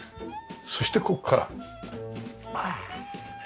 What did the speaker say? そしてここから。